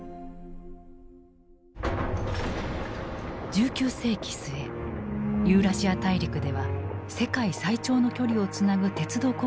１９世紀末ユーラシア大陸では世界最長の距離をつなぐ鉄道工事が始まっていた。